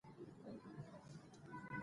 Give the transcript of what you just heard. پرنګیان د غازيانو مقابله نه سوه کولای.